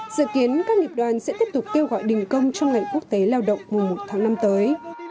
dự kiến các nghiệp đoàn sẽ tiếp tục kêu gọi đình công trong ngày quốc tế lao động mùa một tháng năm tới